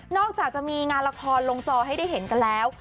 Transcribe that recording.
จากจะมีงานละครลงจอให้ได้เห็นกันแล้ว